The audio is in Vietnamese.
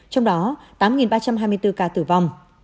trong đó tám ba trăm hai mươi bốn ca tử vong